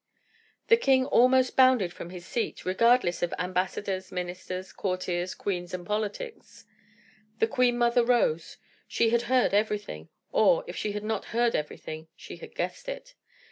The king almost bounded from his seat, regardless of ambassadors, ministers, courtiers, queens, and politics. The queen mother rose; she had heard everything, or, if she had not heard everything, she had guessed it.